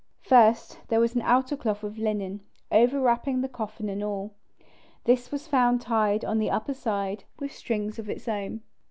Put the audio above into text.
First there was an outer cloth of linen, overwrapping the coffin and all. This was found tied on the upper side with strings of its own.